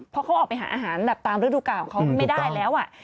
เพราะเขาออกไปหาอาหารแบบตามฤดูกาลของเขาไม่ได้แล้ว